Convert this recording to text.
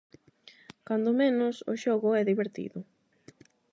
Cando menos o xogo é divertido: